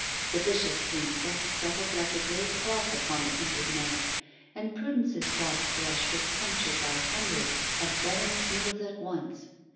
The vicious insects settled like a grey cloth upon the heated mare, and Prudence's soft flesh was punctured by hundreds of venomous needles at once.